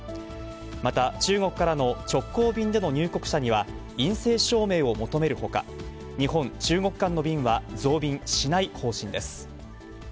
また中国からの直行便での入国者には陰性証明を求めるほか、日本・中国間の便は増便しない方針です。